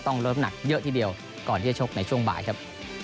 เลิฟหนักเยอะทีเดียวก่อนที่จะชกในช่วงบ่ายครับ